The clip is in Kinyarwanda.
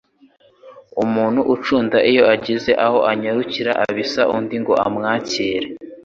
Umuntu ucunda iyo agize aho anyarukira abisa undi ngo amwakire,